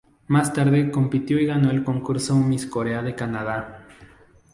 Más tarde compitió y ganó el concurso Miss Corea de Canadá.